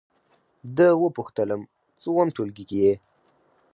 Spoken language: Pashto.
ده وپوښتلم: څووم ټولګي کې یې؟